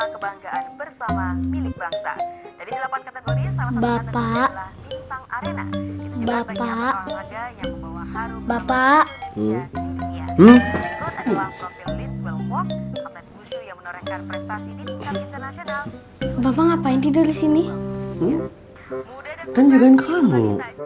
kan jagain kamu